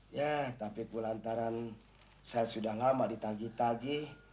ya tapi pun lantaran saya sudah lama ditagi tagi